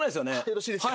よろしいですか？